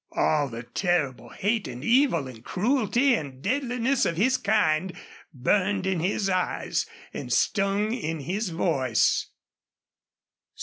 All the terrible hate and evil and cruelty and deadliness of his kind burned in his eyes and stung in his voice.